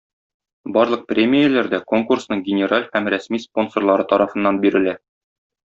Барлык премияләр дә конкурсның генераль һәм рәсми спонсорлары тарафыннан бирелә.